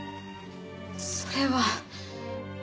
それは。